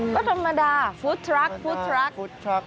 ก็ธรรมดาฟู้ดทรัคฟู้ดทรัค